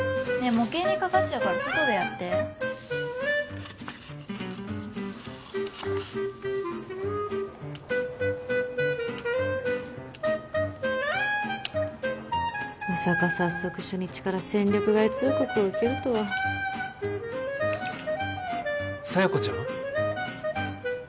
模型にかかっちゃうから外でやってまさか早速初日から戦力外通告を受けるとははあ佐弥子ちゃん？